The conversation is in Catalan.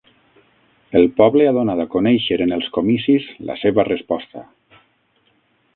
El poble ha donat a conèixer en els comicis la seva resposta